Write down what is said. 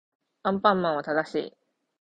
アンパンマンは正しい